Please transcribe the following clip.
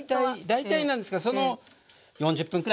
大体なんですけど４０分くらい。